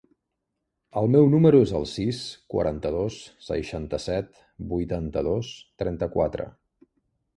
El meu número es el sis, quaranta-dos, seixanta-set, vuitanta-dos, trenta-quatre.